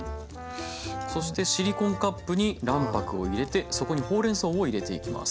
そしてシリコンカップに卵白を入れてそこにほうれんそうを入れていきます。